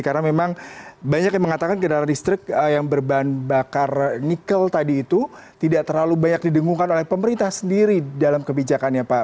karena memang banyak yang mengatakan genera listrik yang berbahan bakar nikel tadi itu tidak terlalu banyak didengungkan oleh pemerintah sendiri dalam kebijakannya pak